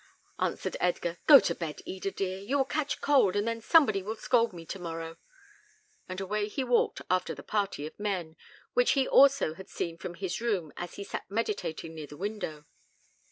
answered Edgar. "Go to bed, Eda, dear; you will catch cold, and then somebody will scold me to morrow;" and away he walked after the party of men, which he also had seen from his room as he sat meditating near the window.